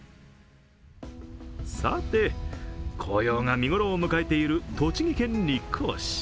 さて、紅葉が見頃を迎えている栃木県日光市。